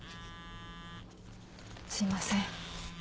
すいません。